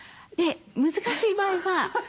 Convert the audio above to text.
難しい場合は。